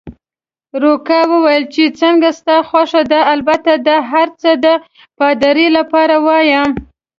روکا وویل: چې څنګه ستا خوښه ده، البته دا هرڅه د پادري لپاره وایم.